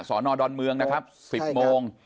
สอนอดอนเมืองนะครับ๑๐โมง